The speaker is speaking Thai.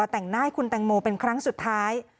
แต่งหน้าให้คุณแตงโมเป็นครั้งสุดท้าย